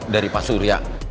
dari pak surya